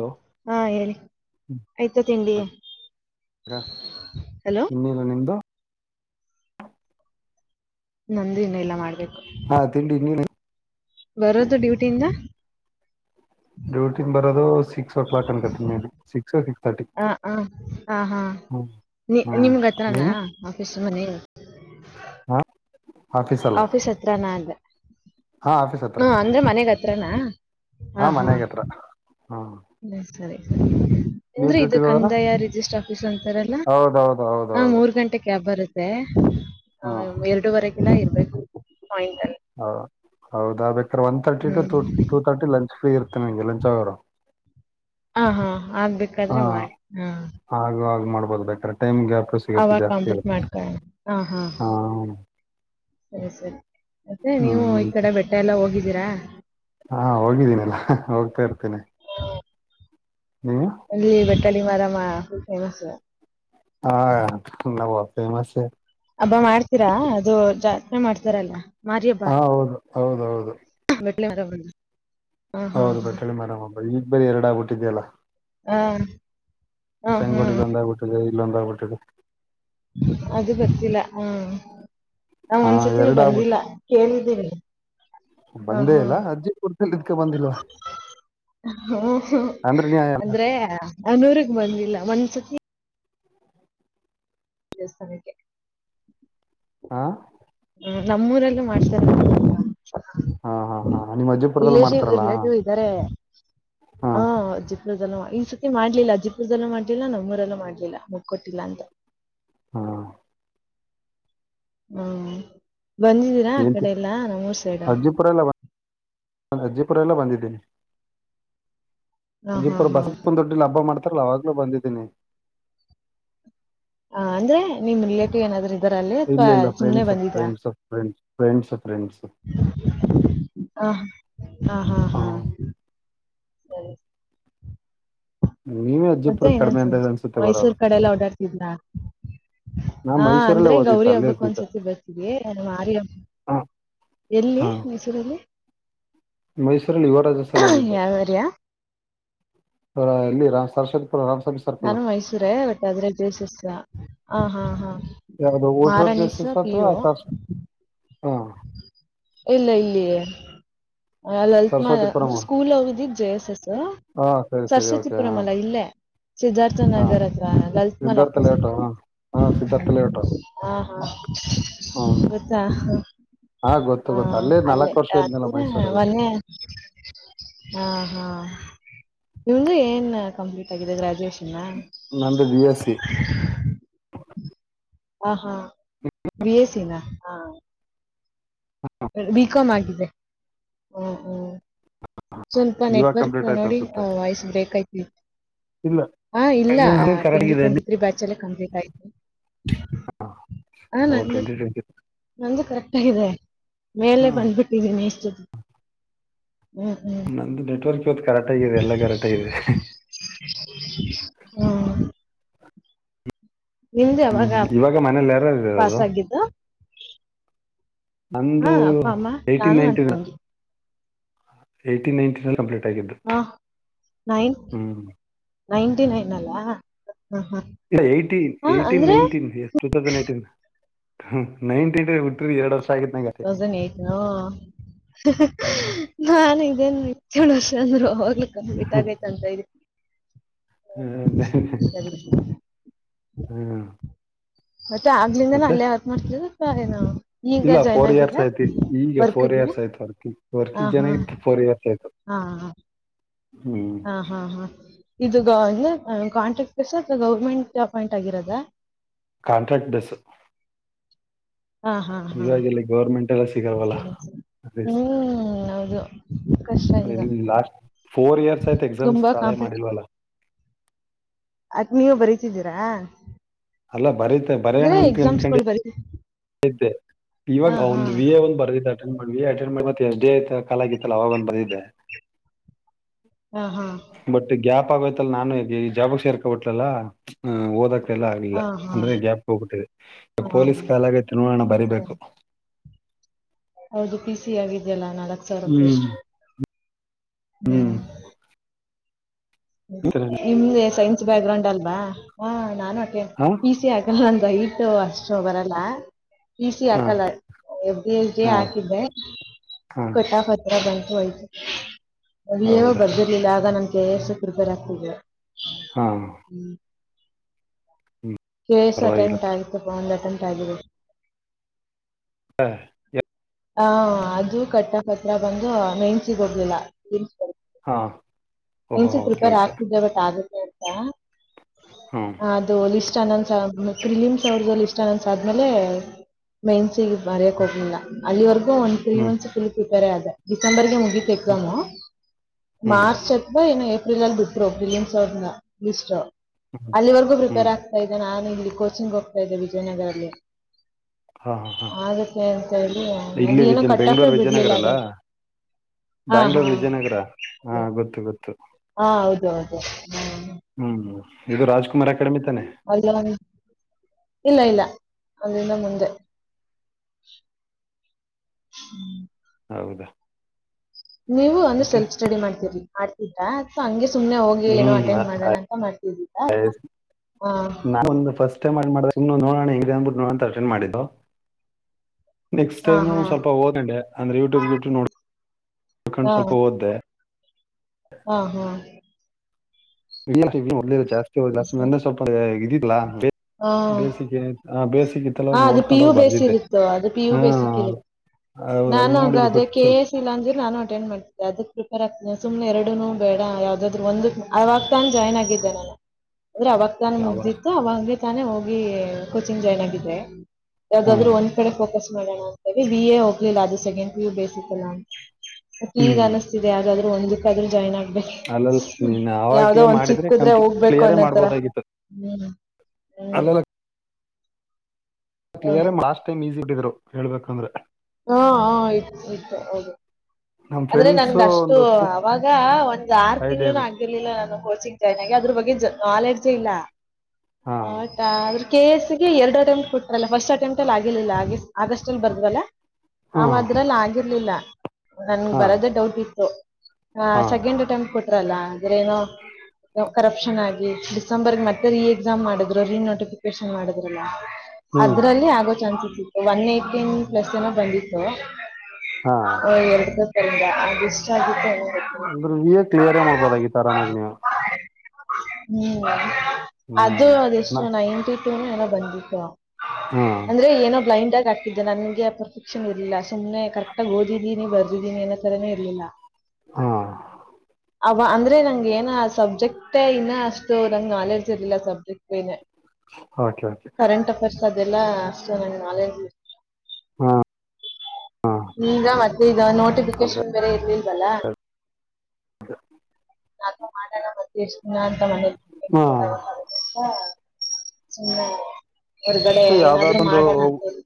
Low ಹಾ ಹೇಳಿ ಆಯ್ತು ತಿಂಡಿ. ಗ ಹಲೋ ತಿನ್ನಿಲ್ಲ ನಿಮ್ದು. ನಂದ್ ಇನ್ನ ಇಲ್ಲಾ ಮಾಡ್ಬೇಕು. ಹಾ ತಿಂಡಿ ನೀನು. ಬರೋದು ಡ್ಯೂಟಿಯಿಂದ. ಡೂಟಿನ್ ಬರೋದು ಸಿಕ್ಸ್ ಓ ಲಾಕ್ ಅನ್ಕತೀನಿ ಮೆಬಿ ಸಿಕ್ಸ್ ಸಿಕ್ಸ್ ತರ್ಟಿ. ಅ ಅ, ಹ ಹಾ, ಹ್ಮ್ ನಿ ಹ್ಮ್ ನಿಮ್ಗ ಹತ್ರನಾ ನೀನು ಆಫೀಸ್ ಮನೆ ಹಾ ಆಫೀಸ್ ಹತ್ರಾನ ಅಂದೇ. ಹಾ ಆಫೀಸ್ ಹಾ ಹತ್ರನೇ ಅಂದ್ರೆ ಮನೆಗ್ ಹತ್ರನಾ ಹಾ ಹಾ. ಮನೆಗೆ ಹತ್ರ ಹಾ ಹ್ಮ ಸರಿ ಸರಿ ನೀವ್ ಏನ್ರೀ ಇದು ಕಂದಾಯ ರಿಜಿಸ್ಟರ್ ಆಫೀಸ್ ಅಂತಾರಲ್ಲಾ. ಹೌದೌದ ಹೌದ್. ಹ ಮೂರ್ ಗಂಟೆಗ್ ಕ್ಯಾಬ್ ಬರುತ್ತೆ ಹಾ ಎರಡುವರೆಗಲ್ಲ ಇರ್ಬೇಕು ಪಾಯಿಂಟ್ ಅಲ್ಲಿ. ಹ ಹೌದಾ ಬೇಕಾದ್ರೆ ಒನ್ ತರ್ಟಿ ತು ಹ್ಮ್ ಟೂ ತರ್ಟಿ ಲಂಚ್ ಫ್ರೀ ಇರ್ತನೆ ನಿಂಗೆ ಲಂಚ್ ಅವರು. ಹ ಹಾ ಹಾ ಆಗ್ಬೇಕಾದ್ರೆ ಮಾಡಿ ಹಾ ಆಗ ಆಗ ಮಾಡ್ಬೋದ ಬೇಕಾರ ಟೈಮ್ ಗ್ಯಾಪಸ್ ಅವಾಗ ಕಂಪಿಟ್ ಮಾಡ್ಕ ಹ ಹಾ ಸರಿ ಸರಿ ಮತ್ತೆ ನೀವು ಈ ಹ್ಮ್ ಕಡೆ ಬೆಟ್ಟ ಎಲ್ಲ ಹೋಗಿದ್ದೀರಾ. ಹಾ ಹೋಗಿದ್ದೀನಿಲ್ಲ ಹೋಗ್ತಾ ಇರ್ತೀನಿ. ನೀ ಅಲ್ಲಿ ಬೆಟ್ಟಾಲ ಮಾರಮ್ಮ ಫುಲ್ ಫೇಮಸ್. ಹಾ ನಾವ್ ಫೇಮಸೆ ಅಬ್ಬ ಮಾಡ್ತೀರಾ ಅದು ಜಾತ್ರೆ ಮಾಡ್ತಾರಲ್ಲ. ಮಾರಿ ಹಬ್ಬ ಹ ಹೌದು ಹೌದ ಹೌದು. [unintelligible] ಹಾ ಹಾ ಹೌದ ಬೆಟ್ರಳಿ ಮಾರಾಮ ಹಬ್ಬ ಈಗ ಬೆಳೆ ಯಡ ಆಗ್ಬಟ್ಟಿದ್ಯಲ್ಲ. ಹಾ ಹಾ ಹಾ ಚಂಗೋಡಿಲ್ಲೊಂದ ಆಗ್ಬಿಟ್ಟಿದ ಇಲ್ಲೊಂದ ಆಗ್ಬಿಟ್ಟಿದ. ಅದು ಬರ್ತಿಲ್ಲ ಹಾ. ಆ ಹಾ ಒಂದ್ಸತಿ ನು ಎರಡ ಆಗ್ಬಿಟ್ಟು ಬಂದಿಲ್ಲ ಕೇಳಿದ್ದೀನೀ. ಬಂದೇ ಇಲ್ಲ ಅಜ್ಜಿ [unintelligible] ಇದ್ಕ ಬಂದಿಲ್ವ. ಹ ಹಾ ಅಂದ್ರೆ ನೀ ಹಾ ಅಂದ್ರೆ ಆ ನೂರ್ಗ ಬಂದಿಲ್ಲ ಒನ್ಸತಿ. ದೇಸ್ಥಾನಕ್ಕೆ ಹಾ ಹ ನಮ್ಮೂರಲ್ಲು ಮಾಡ್ತಾರ [unintelligible] ಹಾ ಹಾ ಹಾ ನೀಮ್ಮ ಅಜ್ಜಪುರದಲ್ಲ ಮಾಡ್ತಾರಲ್ಲಾ. ಇದರೆ ಹ ಜಿಪ್ಲದನು ಐಸ್ ಮಾಡ್ಲಿಲ್ಲ ಜಿಪುರದಲ್ಲೂ ಮಾಡ್ಲಿಲ್ಲ ನಮ್ಮೂರಲ್ಲೂ ಮಾಡ್ಲಿಲ್ಲ ಮುಕಟ್ಟಿಲ್ಲ ಅಂತ ಹಾ ಹ್ಮ ಬಂದಿದ್ದೀರಾ ಆ ಏಂತ ಕಡೆ ಎಲ್ಲಾ ನಮ್ಮುರ್ ಸೈಡ್. ಅಜ್ಜಿಪುರ ಎಲ್ಲ ಅಜ್ಜಿಪುರ ಎಲ್ಲ ಬಂದಿದ್ದೀನಿ ಹಾ ಹಾ ಅಜ್ಜಿಪುರ ಹಾ. ಬಸ ಬಂದೊ ಅಬ್ಬಾ ಮಾಡ್ತಾರಲ್ಲ ಅವಾಗ್ಲಲೂ ಬಂದಿದ್ದೀನಿ. ಆ ಅಂದ್ರೆ ನಿಮ್ ಲೇಟಿವ ಏನಾದ್ರು ಇದರಲ್ಲಿ ಅಥವಾ ಸುಮ್ನೆ ಬಂದಿದ್ರ. ಫ್ರೆಸ್ ಫ್ರೆಂಡ್ಸ್ ಫ್ರೆಂಡ್ಸ್ ಹ್ಮ ಹಾ ಹಾ ಹ ಹಾ ಸರಿ. ನೀವೇ ಮತ್ತೆ ಅಜ್ಜಿಪುರ ಏನೆನ ಕಡಿಮೆ ಅಂದ ಸಮಾಚ ಅನ್ಸುತ್ತೆ ಬರೋದು ಮೈಸೂರ್ ಕಡೆ ಎಲ್ಲ ಓಡಾಡ್ತಿದ್ರ. ನಾ ಹಾ ಮೈಸೂರಲ್ಲೇ ಅಂದ್ರೆ ಓದಿತ್ತು ಗೌರಿ ಅಲ್ಲೇ ಹಬ್ಬಕ ಇದ್ದಿದ್ದು ಒಂದ್ಸತಿ ಬರ್ತಿವಿ ಏನ್ ಮಾರಿ ಹಬ್ ಹ ಎಲ್ಲಿ ಹಾ ಮೈಸೂರಲ್ಲಿ ಮೈಸೂರಲ್ಲಿ ಯುವ ರಾಜಾಸಲ ಹೋಗಿದ್ದು. ಯಾವ್ ಏರಿಯಾ? ಹಾ ಅಲ್ಲಿ ರಾಮ್ [unintelligible] ನಾನು ಮೈಸೂರೆ ಬಟ್ ಆದ್ರೆ ಜೇಸಸ್ ಹ ಹಾ ಹ ಯಾವ್ದು ಊಟ ರೋಡ್ ಮಾರಾಣಿಸ ಪಿಯೋ ಹಾಂ ಇಲ್ಲಾ ಇಲ್ಲ ಹಾ ಲಲಿತ್ ಮಾ ಸರಸ್ವತಿಪುರಂ ಅಂದ್ರ ಸ್ಕೂಲ್ ಹೋಗಿದ್ದು ಜೆ ಎಸ್ ಎಸ್ ಹಾ ಸರಿ ಸರಿ ಓಕೆ ಸರಸ್ವತಿಪುರಾಂ ಹಾ ಅಲ್ಲ ಇಲ್ಲೇ ಸಿದ್ಧಾರ್ಥ ಹಾ ನಗರ ಆತ್ರ ಲಲಿತ ಮಲ್ ಸಿದ್ಧಾರ್ಥ ಅಪೋಸಿಟ್. ಲೇಔಟ್ ಹಾ ಹಾ ಸಿದ್ಧಾರ್ಥ ಲೇಔಟ್ ಹಾ ಹಾ ಹ್ಮ್ ಗೊತ್ತಾ ಗೊತ್ತು ಹಾ ಗೊತ್ತು ಅಲ್ಲೇ ನಾಲ್ಕು ವರ್ಷ ಹತ್ರ ನೆ ಇದ್ನಲ್ಲ ಪುರ ಮೈಸೂರಲ್ಲಿ ಒನ್ನೇ ಹಾ ಹಾ ನಿಮ್ದು ಏನ್ ಕಂಪ್ಲೀಟ್ ಆಗಿದೆ ಗ್ರಾಜುಯೇಷನ್. ನಂದ ಬಿ ಎಸ್ಸಿ. ಹ ಹಾ ಬಿ ಎಸ್ ಸಿ ನಾ ಹ ಹಾ [inaudible] ಬಿ. ಕಾಂ. ಆಗಿದೆ ಹ ಹ್ಮ್. ಸ್ವಲ್ಪ ಇವಾಗ ನೆಟ್ವರ್ಕ್ ಕಂಪ್ಲೀಟ್ ಆಯ್ತು ನೋಡಿ ಅನ್ಸುತ್ತೆ ವಾಯ್ಸ್ ಬ್ರೇಕ್ ಆಯ್ತಿತಿ. ಇಲ್ಲ ಹಾ ಇಲ್ಲ ಕರೆಕ್ಟ್ ಟ್ವೆಂಟಿ ಇದೆ ಟ್ವೆಂಟಿ ತ್ರೀ ಬ್ಯಾಚಲ್ವೇ ಕಂಪ್ಲೀಟ್ ಆಯ್ತು. ಹಾ ಆ ಓ ನಂದು ಟ್ವೆಂಟಿ ಟ್ವೆಂಟಿ. ನಂದು ಕರೆಕ್ಟಾಗಿದೆ ಹಾ ಮೇಲೆ ಬಂದ್ಬಿಟ್ಟಿದ್ದೀನಿ ಇಷ್ಟ್, ಹ್ಮ ಹ್ಮ್. ನೆಟ್ವರ್ಕ್ ಇತ್ ಕರೆಕ್ಟ್ ಆಗಿದೆ ಎಲ್ಲ ಕರೆಕ್ಟ್ ಆಗಿದೆ. ಹ್ಞ. ನಿಮ್ದು ಹ್ಮ್ ಯಾವಾಗ ಇವಾಗ ಮನೇಲಿ ಯಾರು ಪಾಸ್ ಇರೋದು ಆಗಿದ್ದು? ನಂದು ಅಪ್ಪ, ಅಮ್ಮ, ಎಟಿನ್ ನಾನು, ನನ್ ನೈನ್ಟಿನ್. ತಂಗಿ. ಎಟಿನ್ ನೈಂಟೀಸ್ ಅಲ್ಲಿ ಅಪ್ಡೇಟ್ ಆಗಿದ್ದು. ಹಾ ನೖನ್ ಹ್ಮ್ ನೖಂಟಿ ನೈನ್ ಅಲ್ಲಾ ಹ ಹಾ... ಇಲ್ಲಾ eighty eighteen nineteen year. Two thousand eighteen ಹ್ಮ್ ನೈಂಟಿನ್ ತ್ ಹುಟ್ಟಿದ್ರೆ ಎರಡು ವರ್ಷ್. ಟೂ ತೌಸಂಡ್ ಏಟಿನ್ ನಾ ಇದೇನ್ತ್ಯೇಳ ವರ್ಷ ಅಂದರು ಅವೋಗ್ಲ ಕಂಪ್ಲೀಟ್ ಅಂತ ಇದಿ ಹ್ಮ ಇದ್ದೆ. ಹ್ಮ ಮತ್ತೆ ಆಗ್ಲಿಂದನು ಅಲ್ಲೇ ವರ್ಕ್ ಮಾಡ್ತಿದಾರಾ ಅಥವಾ ಏನು ಈಗ ಇಲ್ಲ ಜಾಯ್ನ್ ಫೋರ್ ಆಗಿದ್ದ ಇಯರ್ಸ್ ಆಯ್ತು ಈಗ ಫೋರ್ ವರ್ಕ್ಗೆ ಇಯರ್ಸ್ ಆಯ್ತು ವರ್ಕಿ ಹಾ ವರ್ಕಿಗ್ ಜಾಯ್ನ್ ಹಾ ಆಗಿ ಫೋರ್ ಇಯರ್ಸ್ ಆಯ್ತು. ಹಾ ಹ ಹ್ಮ್ ಹಾ ಹಾ ಇದು ಏನು ಕಾಂಟ್ರಾಕ್ಟ್ ಬೇಸಾ ಅಥ್ವಾ ಗೌರ್ಮೆಂಟ್ ಅಪಾಯಿಂಟ್ ಆಗಿರೋದ? Contract base. ಹಾ ಹಾ ಹಾ ಇವಾಗಿಲ್ಲಿ ಗೌರ್ಮೆಂಟ್ ಎಲ್ಲ ಸಿಗಲ್ವಲ್ಲ. ಸರಿ ಸರಿ ಅದ ಹ್ಮ್ ಹೌದು ಕಷ್ಟ ಈಗ ಇಲ್ಲಿ ಲಾಸ್ಟ್ ಫೋರ್ ಇಯರ್ಸ್ ಆಯ್ತಾತ್. ಮ್ಸ್ ತುಂಬಾ ಕಾಲೇ ಕಾಂಪಿಟ್ ಮಾಡಿಲ್ವಲ್ಲ. ಅದ್ನೀವೂ ಬರಿತಿದ್ದೀರಾ? ಅಲ್ಲ ಬರೀತ ಬರಿಯೋಣ ಅಂತ ಅನ್ಕೊಂಡಿ ಎಕ್ಸಾಮ್ಸ್ಗಳು ಬರೀತಿ ದ್ದೆ, ಹಾ ಇವಾಗ ಹಾ ಒಂದ್ ವಿ ಎ ಒಂದ್ ಬರ್ದಿದ್ ಅಟೆಂಡ್ ಮಾಡ್ ಅಟೆಂಡ್ ಮಾಡಿ ಮ ಎಸ್ ಡಿ ಎ ಕಾಲ್ ಆಗಿತ್ತಲ್ಲ ಅವಾಗ ಒಂದ ಬರ್ದಿದ್ದೆ. ಹಾ ಹಾ ಬಟ್ ಗ್ಯಾಪ್ ಆಗೋಯ್ತಲ್ಲ ನಾನು ಜಾಬ್ಗ ಸೇರ್ಕಬಟ್ಲಲ್ಲಾ ಓದಕ್ ಎಲ್ಲ ಆಗ್ಲಿಲ್ಲ ಹಾ ಹಾ ಅಂದ್ರೆ ಗ್ಯಾಪ್ ಹೋಗಬಿಟ್ಟಿದೆ ಈ ಹಾ ಪೊಲೀಸ್ ಕಾಲಾಗೖತ್ ನೋಡೋಣ ಬರಿಬೇಕು. ಸರಿ ಹೌದು ಪಿ ಸಿ ಆಗಿದ್ಯಲ್ಲಾ ನಾಲ್ಕ್ ಸಾವಿರ ಫ್ರೆಶ್ ಹ್ಮ್ ಹ್ಮ್. ನಿಮ್ದೆ ಸೈನ್ಸ್ ಬ್ಯಾಕ್ ಗ್ರೌಂಡ್ ಅಲ್ವಾ ಹ ನಾನು ಅಟೆಂಡ್ ಹ ತ್ತೆ ಹಾಗಲ್ಲ ಅಂತ ದಯವಿಟ್ಟು ಅಷ್ಟು ಬರಲ್ಲ ಪಿ ಸಿ ಹ ಹಾಕಲ್ಲ. ಎಫ್ ಜಿ ಐ ಜಿ ಹ ಹಾಕಿದ್ದೆ ಹ ಕಟ್ಟಾ ಪತ್ರ ಬಂತು ಹಯ್ತು. ವಿ ಇ ಓ ಹೌದಾ ಬರ್ದಿರ್ಲಿಲ್ಲ ಆಗ ನಮಗೆ ಕೆ ಎಸ್ಗ್ ಪ್ರಿಪೇರ್ ಆಗ್ತಿದೆ. ಹಾ [inaudible] ಹ್ಮ್ ಕೇಸ್ ಪರವಾಗಿಲ್ಲ ಅಟೆಂಟ್ ಆಗಿತ್ತಪ್ಪ ಒಂದು ಅಟೆಂಟ್ ಆಗಿದಿ ಹಾ ಎ ಹ ಅದು ಕಟ್ಟಪತ್ರ ಬಂದು ಮೇನ್ಸಿಗ್ ಹೋಗ್ಲಿಲ್ಲ. ಹಾ ಓಹೋ ಒನ್ಸ್ ಓಕೆ ಪ್ರಿಪೇರ್ ಓಕೆ ಆಗ್ತಿದ್ದೆ ಬಟ್ ಆಗುತ್ತೆ ಅಂತ ಹು ಅದು ಲಿಸ್ಟ್ ಅನೌನ್ಸ್ ಆಗ್ಬೇಕು ಕ್ರಿಲಿಮ್ಸ್ ಅವ್ರದ್ದು ಲಿಸ್ಟ್ ಅನ್ನನ್ಸ ಆದ್ಮೇಲೆ. ಮೈನ್ಸಗ್ ಬರ್ಯಕ್ ಹೋಗ್ಲಿಲ್ಲ ಅಲ್ಲಿವರೆಗೂ ಒಂದ ತ್ರೀ ಹ್ಮ್ ಮಂತ್ಸ್ ಫುಲ್ ಪ್ರಿಪೇರೆ ಅದೆ ಡಿಸೆಂಬರ್ಗೆ ಮುಗಿತ್. ಕೆ ಎಕ್ಸಾಮು ಹ್ಮ್ ಮಾರ್ಚ್ ಎತ್ ಬ ಏನೋ ಏಪ್ರಿಲ್ ಅಲ್ಲಿ ಬಿಟ್ಟರು ಪ್ರಿಲಿಮ್ಸ್ ಅವ್ರ್ನ ಲಿಷ್ಟು. ಹ್ಮ ಅಲ್ಲಿವರ್ಗೂ ಪ್ರಿಪೇರ್ ಆಗ್ತಾ ಇದೆ ನಾನು ಇಲ್ಲಿ ಕೋಚಿಂಗ್ ಹೋಗ್ತಾದ್ದೆ ವಿಜಯ್ನಗರಲ್ಲಿ. ಹಾ ಹಾ ಹಾ ಆಗುತ್ತೆ ಅಂತ ಹೇಳ್ ಇಲ್ಲಿ ವಿಜಯನ್ ಬೆಂಗ್ಳೂರ್ ವಿಜಯನಗರಲ ಹಾ ಹಾ ಬ್ಯಾಂಗ್ಳೂರ್ ವಿಜಯನಗರ. ಹಾ ಗೊತ್ತು ಗೊತ್ತು. ಹಾ ಹೌದು ಹೌದು ಹ. ಹ್ಮ್ ಇದು ರಾಜ್ಕುಮಾರ್ ಅಕಾಡೆಮಿ ತಾನೆ. ಅಲ್ಲನ್. ಇಲ್ಲ ಇಲ್ಲ ಅಲ್ಲಿಂದ ಮುಂದೆ. [unintelligible] ಹೌದಾ ನೀವು ಅಂದ್ರೆ ಮತ್ತೆ ಸೆಲ್ಫ್ ಸ್ಟಡಿ ಮಾಡ್ತಿರ ಮಾಡ್ತಿದ್ರ ಇಲ್ಲ ಹಂಗೆ ಸುಮ್ನೆ ಹೋಗ್ ಹಾಗೆ ಏನೋ ಹ್ಮ್ ಅಟೆಂಡ್ ಮಾಡಣ ಅಂತ ಮಾಡ್ತಿದ್ದ ಅತ್ವ ಹ. ನಮ್ದು ಫಸ್ಟ್. ಫಸ್ಟ್ ಟೈಂ ಅಟೆಂಡ್ ಮಾಡ್ದಾಗ ಸುಮ್ನೆ ನೋಡಣ ಹೆಂಗಿದೆ ನೋಡಣ ಅಂತ ಅಟೆಂಡ್ ಮಾಡಿದ್ದು. ನೆಕ್ಸ್ಟ್ ಹಾ ಟೈಮ್ ಹಾ ಸ್ವಲ್ಪ ಓದಂಡೆ ಅಂದ್ರೆ ಯೂಟ್ಯೂಬ್ ಯೂಟ್ಯೂ ನೋ ನೋಡ್ಕೊಂಡು ಹಾ ಸ್ವಲ್ಪ ಓದ್ದೆ. ಹಾ ಹಾ ಇ ಎಲ್ ಸಿ ಬಿ ಮೊದ್ಲೆಲ್ಲಾ ಜಾಸ್ತಿ ಹ ಸ್ವಲ್ಪ ಇದಿಲ್ಲ ಹಾ ಬೇಸಿಗೆ. ಹ ಬೇಸಿಕ್ ಹಾ ಇತ್ತಲ್ಲೋಗ್ ಅದು ಪಿ ನೋಡ್ಕೊಂಡ್ ಯು ಹೋಗ್ ಬೇಸ್ ಬರ್ದಿದ್ದೆ ಇರುತ್ತೋ ಅದು ಪಿ ಯು ಹಾ ಬೇಸಿಕ್ ಅ. ಇರುತ್ತೆ ಹೌದ್ ಅಲ್ ನಾನು ನೋಡಿದ್ ಅದೇ ಕೆ ಗೊತಿತ್ಲ್ರಿ ಎಸ್ ಇಲ್ಲ ಅಂದ್ರ ನಾನು ಅಟೆಂಡ್ ಮಾಡ್ತಿದ್ದ ಅದಕ್ ಪ್ರಿಪರ್ ಆಗ್ತೇನೆ ಸುಮ್ನೆ ಎರಡುನು ಬೇಡ ಯಾವ್ದಾದರು ಒಂದು ಅವಾಗ್ ತಾನ್ ಜಾಯ್ನ್ ಆಗಿದ್ದೆ ನಾನು ಅಂದ್ರೆ ಅವಾಗ್ ತಾನ್ ಯಾವ ಮುಗ್ದಿತ್ತು ಅವಂಗೆ ತಾನೇ ಹೋಗಿ ಕೋಚಿಂಗ್ ಜಾಯ್ನ್ ಆಗಿದ್ದೆ ಹ್ಮ್ ಯಾವ್ದಾದ್ರು ಒಂದು. ಕಡೆ ಫೋಕಸ್ ಮಾಡೋಣ ಅಂತ ಬಿ ಎ ಹೋಗ್ಲಿಲ್ಲ ಅದು ಸೆಕಂಡ ಪಿಯು ಬೇಸಿಕಲ್ಲ ಅಂತ. ಮತ್ತ್ ಈಗ ಹ್ಮ್ ಅನಿಸ್ತಿದೆ ಯಾವ್ದ್ರರು ಒಂದುಕ್ ಆದ್ರೂ ಜಾಯಿನ್ ಆಗ್ಬೇಕ್ ಅಲ್ಲಲ್ನ್ ಯಾವಾಗ್ಲೇ ಮಾಡಿದ್ರೆ ಕಂಪ್ ಹೋಗ್ಬೇಕು ಕ್ಲಿಯರೇ ಅನ್ನೋತರ ಮಾಡ್ಬೋದಾಗಿತ್ತು. ಹ್ಮ್ ಹ್ಮ್ ಅಲ್ಲಲ್. ಕ್ಲಿಯರ್ ಹೌದು ಮಾಸ್ಟ್ ಟೈಮ್ ಈಸಿ ಇಟ್ಟಿದ್ರು ಹೇಳ್ಬೇಕಂದ್ರೆ. ಹಾ ಹ ಇತ್ತು ಇತು ಹೌದು. ನಮ್ ಅಂದ್ರೆ ಫ್ರೆಂಡ್ಸ್ ನನ್ಗ ಅಷ್ಟು ಒಂದು ಅವಾಗ ಒಂದ್ ಆರು ಐಡಿಯಾ ತಿಂಗ್ಳುನು ಇರುತ್ತೆ. ಆಗಿರ್ಲಿ ಗೊತಿರ್ಲಿಲ್ಲ ನಾನು ಕೋಚಿಂಗ್ ಜಾಯಿನ್ ಆಗಿ ಅದ್ರ ಬಗ್ಗೆ ನಾಲೆಡ್ಜ ಇಲ್ಲ ಹಾ ಆಯ್ತಾ ಅದ್ರು. ಕೆ ಎಸ್ ಗೆ ಎರಡ್ ಅಟೆಂಪ್ಟಿ ಕೊಟ್ಟಾರಲ್ಲ ಫಸ್ಟ್ ಅಟೆಂಟ್ ಅಲ್ ಆಗಿರ್ಲಿಲ್ಲ ಆಗಸ್ಟ್ ಅಲ್ ಬರ್ದವಲ್ಲ. ಹಾ ಅವದ್ರಲ್ಲ ಆಗಿರ್ಲಿಲ್ಲ ನನ್ಗ ಹಾ ಬರದೇ ಡೌಟ್ ಇತ್ತು. ಹಾ ಸೆಕೆಂಡ್ ಅಟೆಂಪ್ಟ್ ಕೊಟ್ರಲ್ಲ ಆದ್ರ್ ಏನೋ. ಕರಪ್ಷನ್ ಆಗಿ ಡಿಸೆಂಬರ್ ಮತ್ತೆ ರೀ ಎಕ್ಸಾಮ್ ಮಾಡಿದ್ರು ರೀನೋಟಿಫಿಕೇಶನ್ ಮಾಡುದ್ರಲ್ಲ. ಹ್ಮ್ ಅದ್ರಲ್ಲಿ ಆಗೋ ಚಾನ್ಸಸ್ ಇತ್ತು ಒನ್ ಏಟಿನ್ ಪ್ಲಸ್ ಏನೋ ಬಂದಿತ್ತು. ಹಾ ಹ ಎರ್ಡ್ ಬೇಕ್ರಿಂದ ಅ ಇಷ್ಟ ಆಗುತ್ ನೋಡ್ ಅಂದ್ರೆ ವಿ ಏ ಕ್ಲಿಯರೇ ಮಾಡ್ಬೋದಾಗಿತ್ತು ಆರಾಮಾಗಿ ನೀವು. ಹ್ಮ್ ಅದು ಹ್ಮ್ ನ ಅದೆಷ್ಟು ನೈಂಟಿಟು ಏನೊ ಬಂದಿತ್ತು. ಹಾ ಅಂದ್ರೆ ಏನೋ ಬ್ಲೈಂಡ್ ಆಗಿ ಆಗ್ತಿದ್ದೆ ನಂಗೆ ಶಿಕ್ಷಣ ಇರ್ಲಿಲ್ಲ ಸುಮ್ನೆ ಕರೆಕ್ಟ್ ಆಗಿ ಓದಿದ್ದೀನಿ ಬರ್ದಿದೀನಿ ಏನೋ ತರನೇ ಇರ್ಲಿಲ್ಲ ಹಾ ಅವ ಅಂದ್ರೆ ನಂಗ ಏನ ಸಬ್ಜೆಕ್ಟ್ ಇನ್ನ ಅಷ್ಟು ನ ನಾಲೆಡ್ಜ್ ಇರ್ಲಿಲ್ಲ ಸಬ್ಜೆಕ್ಟ್ ನ್ ಓಕೆ ಓಕೆ ಕರೆಂಟ್ ಅಫೇರ್ಸ್ ಅದೆಲ್ಲ ಅಷ್ಟು ನನಗೆ ನಾಲೆಜ್ ಹಾ ಈಗ ಮತ್ತಾ ಅದ ಅದೇ ನೋಟಿಫಿಕೇಶನ್ ಬೇರೆ ಇರ್ಲಿಲ್ವಲ್ಲ ಹೌ ನ ಮಾಡೋಣ ಮತ್ತೆ ಎಷ್ಟು ದಿನ ಅಂತ ಮನ ಹಾ ಸುಮ್ಮನೆ ಹೊರ್ಗಡೆ ಏನಾದ್ರರು ಮಾಡೋಣ ಅಂತೇಳಿ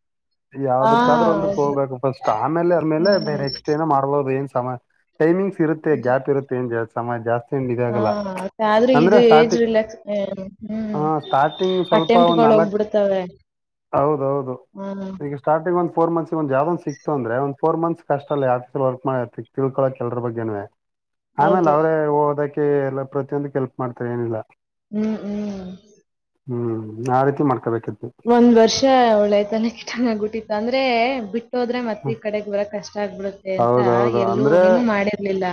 ಯಾವದಕ್ಕಾದ್ರೂ ಒಂದ ಹೋಗ್ಬೇಕು ಫಸ್ಟ್ ಆಮೇಲೆ ಆಮೇಲೆ ಹ್ಮ್ ಬೇರೆ ಎಕ್ಸ್ಟೇನ ಮಾಡ್ಲೋದು ಏನ್ ಸಮಯ ಟೈಮಿಂಗ್ಸ್ ಇರುತ್ತೆ ನಿಜ. ಗ್ಯಾಪ್ ಇರುತ್ತೆ ಸಮಯ ಜಾಸ್ತಿ ಏನ್ ಹಾ ಇದಾಗಲ್ಲ ಆದ್ರೆ ಅಂದ್ರೆ ಇದು ಏಜ್ ಸ್ಟಾರ್ಟಿಂಗ್ ರಿಲ್ಯಕ್ಸ್ ಹ್ಮ್ ಹ ಸ್ಟಾರ್ಟಿಂಗ್ ಸ್ವಲ್ಪ ಅಟೆಂಪಟ್ ಒಂದ್ ಗಳ ನಾಲ್ಕ್ ಹೋಗ್ಬಿಡುತ್ತೆ ತವೆ ಹೌದೌದು ಈಗ ಸ್ಟಾರ್ಟಿಂಗ್ಂದ ಫೋರ್ ಮತ್ಸ್ ಯಾವುದೋ ಸಿಕ್ತ ಅ್ರಂದ ಫೋರ್ ಮತ್ಸ್ ಅಲ್ಲಿ ಆಫೀಸ್ನಲ್ಲಿ ವರ್ಕ್ ಮಾಡರ್ತಿ ತಿಳ್ಕೋಕ ಎಲ್ಲರ ಬಗ್ಗೆನೇ ವೇ ಆಮೇಲೆ ಹೌದು ಅವ್ರೇ ಓದಕ್ಕೆ ಎಲ್ಲ ಪ್ರತಿಯೊಂದಕ್ ಹೆಲ್ಪ್ ಮಾಡ್ತಾರೆ ಏನಿಲ್ಲ ಹ್ಮ್ ಹ್ಮ್ ಹ್ಮ್ ಆ ರೀತಿ ಮಾಡ್ಕೊಬೇಕಿತ್ತು ಒಂದ್ ವರ್ಷ ಒಳ್ಳೆತನ ಕಿ ತನ ಬಿುಟ್ಟಿತ್ತು ಅಂದ್ರೆ ಬಿಟ್ಟ ಬಿಟ್ಟೋದ್ರೆ ಮತ್ತೆ ಹ್ಮ ಈ ಕಡೆಗ್ ಬರಕ್ ಕಷ್ಟ ಆಗ್ಬಿಡುತ್ತೆ ಅಂತ ಹೌದೌದು ಎಲ್ಲೂ ಅಂದ್ರೆ ಏನು ಮಾಡಿರ್ಲಿಲ್ಲ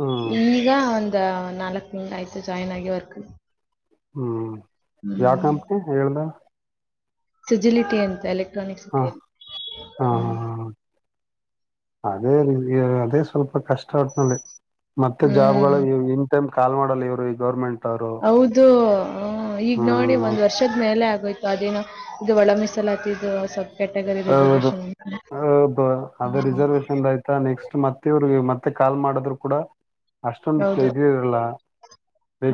ಹ್ಮ್ ಈಗ ಒಂದ ನಾಲ್ಕ್ ತಿಂಗಳ ಆಯ್ತು ಜಾಯಿನ್ ಆಗಿ ವರ್ಕ್ಗೆ ಹ್ಞ ಯಾವ ಕಂಪನಿ ಹೇಳ್ದ ಸಿಜಿಲಿಟಿ ಅಂತೆ ಅ ಹಾ ಹಾ ಹ ಹಾ ಅದೇ ಅದೇ ಸ್ವಲ್ಪ ಕಷ್ಟ ಒಟ್ನಲ್ಲಿ ಮತ್ತೆ ಜಾಬ್ ಹ್ಮ್ ಗಳು ಇನ್ ಟೈಮ್ ಕಾಲ್ ಮಾಡೋಲ್ಲ ಇವ್ರು ಈ ಗೌರ್ಮೆಂಟ್ ಅವರು ಹೌದು ಹ ಈಗ್ ನೋಡಿ ಹ್ಮ್ ಒಂದ್ ವರ್ಷ ವರ್ಷದ ಮೇಲೆ ಆಗೋಯತು ಅದೇನೋ ಇದು ಒಳ ಮೀಸಾಲಾತ್ತಿದ್ದು ಸ್ವಲ್ಪ ಹೌದು ಹೌದು ಅದ ರಿಸರ್ವೇಶನ್ ಆಯ್ತು ನೆಕ್ಸ್ಟ್ ಮತ್ತೆ ಇವ್ರ ಮತ್ತೆ ಕಾಲ್ ಮಾಡಿದ್ರು ಕೂಡಾ ಅಷ್ಟೊಂದು ಹೌದು ಇದು ಇರಲ್ಲ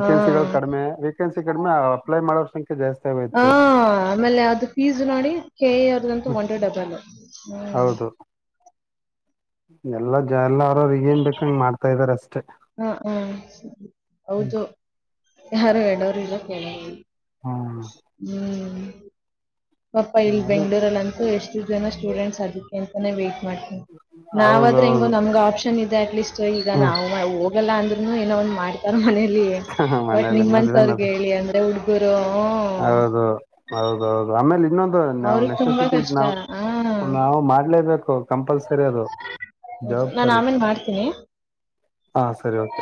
ಹಾ ಕಡಿಮೆ ವೇಕೆನ್ಸಿಗಳು ಕಡಿಮೆ ಅಪ್ಲೈ ಮಾಡೋರ ಸಂಖ್ಯ ಜಾಸ್ತಿ ಹ ಆಗೋಯ್ತೆ ಆಮೇಲೆ ಅದು ಪೀಸ್ ನೋಡಿ ಕೆರ್ದಂತೂ ಒಂದುಟ ಡಬಲ್ ಹ್ಮ್ ಹೌದು ಎಲ್ಲ ಜ ಎಲ್ಲರೋರ ಏನ್ ಬೇಕಂಗ್ ಮಾಡ್ತಾ ಇದಾರೆ ಅಷ್ಟೇ ಹಾ ಹಾ ಹೌದು ಯಾರು ಹೇಳೋರು ಈಗ ಕೇಳವರಿಲಾ ಹ್ಮ್ ಹ್ಮ್ ಪಪ್ಪಾ ಇಲ್ಲಿ ಅದೇ ಬೆಂಗಳೂರಲ್ಲಿ ಅಂತೂ ಎಷ್ಟು ಜನ ಸ್ಟೂಡೆಂಟ್ಸ್ ಅದಕ್ಕೆ ಅಂತಾನೇ ವೈಟ್ ಮಾಡ್ತಾರೆ ನಾವ ಆದ್ರೆ ಹೆಂಗೋ ಹೌದೌದು ನಮ್ಗ ಆಪ್ಷನ್ ಇದೆ ಅಟ್ಲೀಸ್ಟ್ ಈಗ ಹ್ಮ್ ನಾವು ಹೋಗಲ್ಲ ಅಂದ್ರುನು ಏನೋ ಒಂದ್ ಮಾಡ್ತಾರ ಮನೇಲಿ ಬಟ್ ಮನೇಲಿ ನಿಮ್ನ ಅಂತ ಮದ್ವೆನದು ಅರಗೆ ಹೇಳಿ ಅಂದ್ರೆ ಹುಡ್ಗಿ ಬ್ರೋ ಹು ಹೌದು ಹೌದೌದು ಆಮೇಲೆ ಇನ್ನೊಂದ್. ಅದು ನಾವ್ ಅವ್ರಿಗೆ ತುಂಬಾ ನೆಸಸಿಟಿ ಇದ್ ಕಷ್ಟ ನಾವ್ ಹಾ ನಾವು ಮಾಡ್ಲೇಬೇಕು ಕಂಪಲ್ಸರಿ ಅದು. ಹೌದ್ ನಾನ್ ಆಮೇಲ್ ಮಾಡ್ತೀನಿ. ಹ ಸರಿ ಓಕೆ.